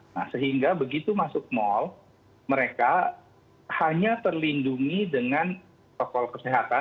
nah sehingga begitu masuk mal mereka hanya terlindungi dengan protokol kesehatan